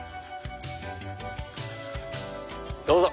どうぞ！